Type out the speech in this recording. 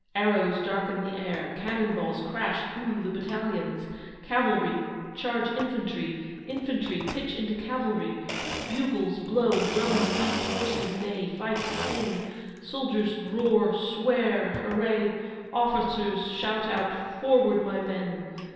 arrows darken the air? cannon balls crash through the battalions? cavalry charge infantry? infantry pitch into cavalry? bugles blow; drums beat; horses neigh; fifes sing; soldiers roar, swear, hurray; officers shout out 'Forward, my men!